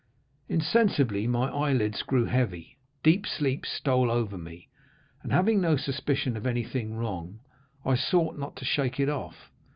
"Insensibly my eyelids grew heavy, deep sleep stole over me, and having no suspicion of anything wrong, I sought not to shake it off.